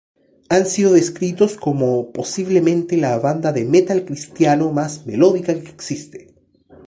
Han sido descritos como "posiblemente la banda de metal cristiano más melódica que existe.